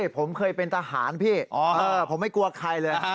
ผมเคยเป็นทหารพี่ผมไม่กลัวใครเลย